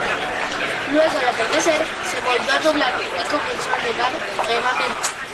Luego al atardecer se volvió a nublar y comenzó a nevar nuevamente.